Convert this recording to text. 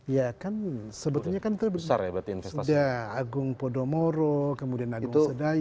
ya kan sebetulnya agung podomoro kemudian agung sedayu